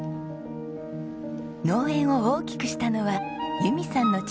農園を大きくしたのは由美さんの父忠さん。